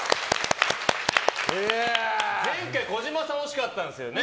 前回、児嶋さん惜しかったんですよね。